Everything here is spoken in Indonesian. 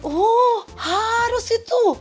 oh harus itu